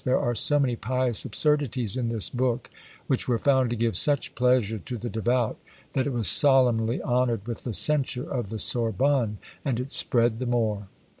There are so many pious absurdities in this book, which were found to give such pleasure to the devout, that it was solemnly honoured with the censure of the Sorbonne; and it spread the more.